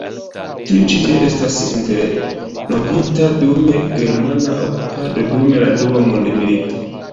Tiu ĉi historio estas interrompita dum germana okupado dum la Dua mondmilito.